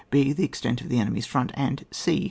h. The extent of the enemy's front, and e.